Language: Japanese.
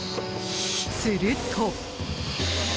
すると。